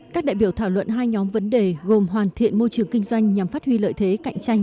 các đại biểu thảo luận hai nhóm vấn đề gồm hoàn thiện môi trường kinh doanh nhằm phát huy lợi thế cạnh tranh